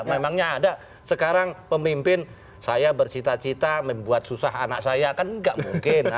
memangnya ada sekarang pemimpin saya bercita cita membuat susah anak saya kan nggak mungkin